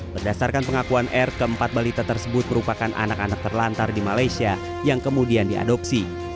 berdasarkan pengakuan r keempat balita tersebut merupakan anak anak terlantar di malaysia yang kemudian diadopsi